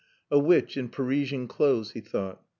A witch in Parisian clothes, he thought.